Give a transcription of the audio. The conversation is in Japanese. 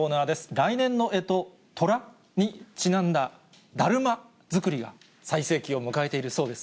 来年のえと、とらにちなんだだるま作りが最盛期を迎えているそうです。